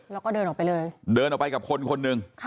แล้วก็เดินออกไปเลยเดินออกไปกับคนคนหนึ่ง